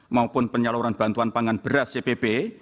maupun penyaluran bantuan pangan beras cpp